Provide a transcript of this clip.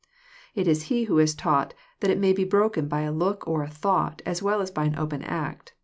It is He who has taught that it may be broken by a look or a thought, as well as by an open act.